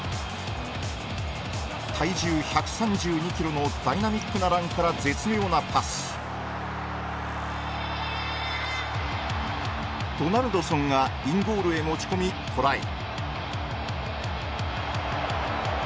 体重１３２ｋｇのダイナミックなランから絶妙なパスドナルドソンがインゴールへ持ち込みトライ